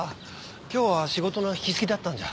今日は仕事の引き継ぎだったんじゃ。